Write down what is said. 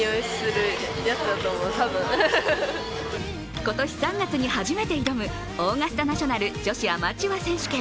今年３月に初めて挑むオーガスタ・ナショナル女子アマチュア選手権。